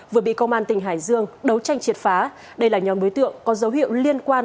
vừa bị công an tỉnh hải dương đấu tranh triệt phá đây là nhóm đối tượng có dấu hiệu liên quan